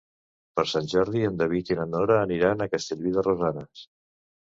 Per Sant Jordi en David i na Nora aniran a Castellví de Rosanes.